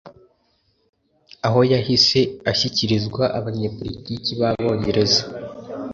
aho yahise ashyikirizwa abanyepolitiki b’abongereza